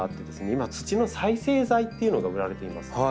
今土の再生材っていうのが売られています。